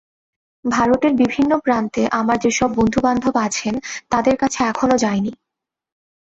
ভারতের বিভিন্ন প্রান্তে আমার যে-সব বন্ধু-বান্ধব আছেন, তাঁদের কাছে এখনও যাইনি।